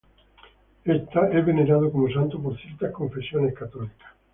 Es venerado como santo por ciertas confesiones católicas.